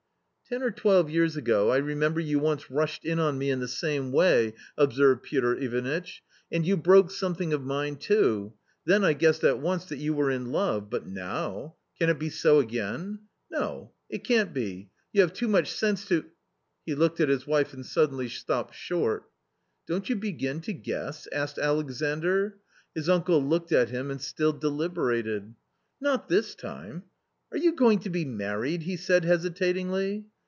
"Ten or twelve years ago, I remember you once rushed in on me in the same way," observed Piotr Ivanitch, " and you broke something of mine too — then I guessed at once that you were in love, but now .... can it be so again ? No, it can't be ; you have too much sense to " He looked at his wife and suddenly stopped short. " Don't you begin to guess ?" asked Alexandr. His uncle looked at him and still deliberated. " Not this time — are you going, to be married ?" he said hesitatingly.